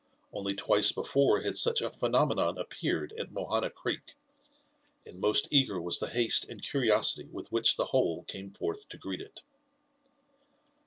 Only twice before had such a phenomenon ap peared at Mohana Creek, and most eager was the haste and curiosity with which the whole came forth to greet it.